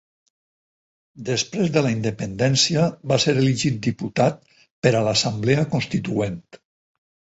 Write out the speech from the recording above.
Després de la independència va ser elegit diputat per a l'Assemblea Constituent.